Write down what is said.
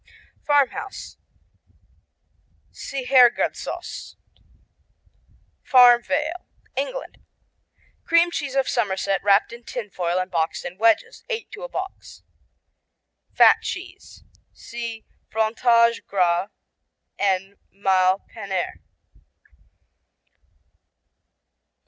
Farmhouse see Herrgårdsost. Farm Vale England Cream cheese of Somerset wrapped in tin foil and boxed in wedges, eight to a box. Fat cheese see Frontage Gras and Maile Pener.